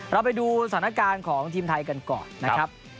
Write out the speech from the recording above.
เราไปดูสถานการณ์ของทีมไทยกันก่อนนะครับ